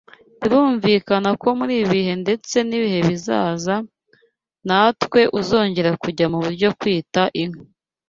Birumvikana ko muri ibi bihe ndetse n’ibizaza ntawe uzongera kujya mu byo kwita inka